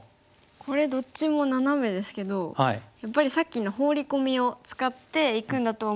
これどっちもナナメですけどやっぱりさっきのホウリコミを使っていくんだと思うんですけど。